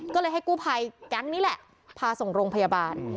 ก็เลยให้กูภายกรรมนี้แหละพาส่งโรงพยาบาลอืม